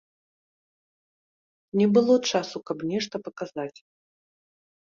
Не было часу, каб нешта паказаць.